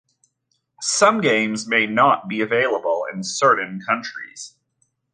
Some games may not be available in certain countries.